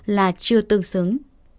là chưa tương xứng